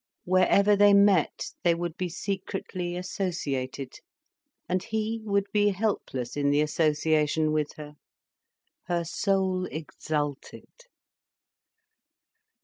Wherever they met, they would be secretly associated. And he would be helpless in the association with her. Her soul exulted.